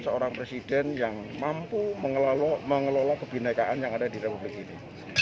seorang presiden yang mampu mengelola kebinekaan yang ada di republik ini